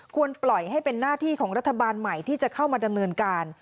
ควรปล่อยให้เป็นหน้าที่ของรัฐบาลใหม่ที่จะเข้ามาดำเนินการ